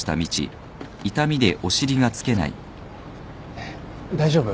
えっ大丈夫？